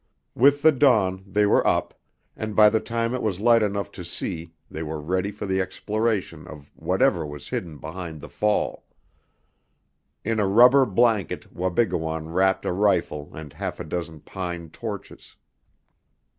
With the dawn they were up, and by the time it was light enough to see they were ready for the exploration of whatever was hidden behind the fall. In a rubber blanket Wabigoon wrapped a rifle and half a dozen pine torches.